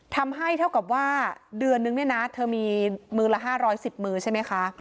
เท่ากับว่าเดือนนึงเนี่ยนะเธอมีมือละ๕๑๐มือใช่ไหมคะ